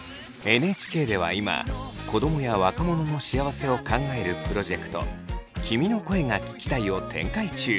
ＮＨＫでは今子どもや若者の幸せを考えるプロジェクト「君の声が聴きたい」を展開中。